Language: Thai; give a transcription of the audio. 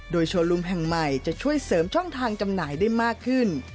โดยโชว์ลุมแห่งใหม่จะช่วยเสริมช่องทางจำหน่ายได้มากขึ้น